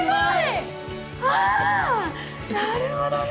なるほどね。